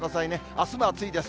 あすも暑いです。